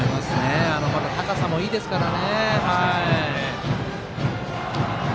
また高さもいいですからね。